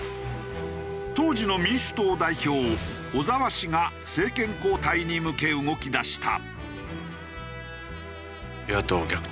当時の民主党代表小沢氏が政権交代に向け動き出した。